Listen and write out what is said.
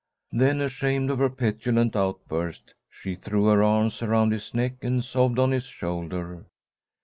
Then ashamed of her petulant outburst, she threw her arms around his neck, and sobbed on his shoulder.